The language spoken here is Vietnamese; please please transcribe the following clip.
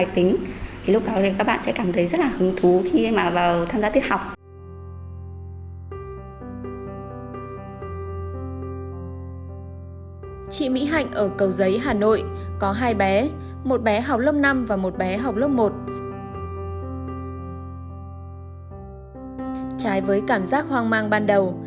trái với cảm giác hoang mang ban đầu